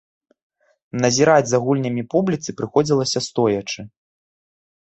Назіраць за гульнямі публіцы прыходзілася стоячы.